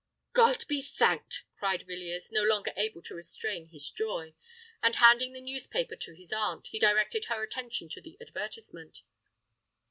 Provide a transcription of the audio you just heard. "God be thanked!" cried Villiers, no longer able to restrain his joy; and handing the newspaper to his aunt, he directed her attention to the advertisement.